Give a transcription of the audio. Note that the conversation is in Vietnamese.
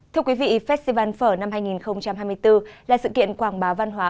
thưa quý vị festival phở năm hai nghìn hai mươi bốn là sự kiện quảng bá văn hóa